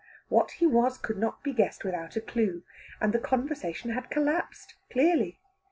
What he was could not be guessed without a clue, and the conversation had collapsed, clearly!